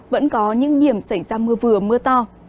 vẫn có những điểm xảy ra mưa vừa mưa to